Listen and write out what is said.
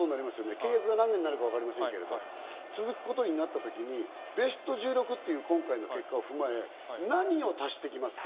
契約が何年になるかわかりませんが、続くことになった場合、ベスト１６という今回の結果を踏まえ、何を足していきますか？